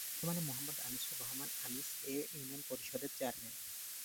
বর্তমানে মোহাম্মদ আনিসুর রহমান আনিস এ ইউনিয়ন পরিষদের চেয়ারম্যান।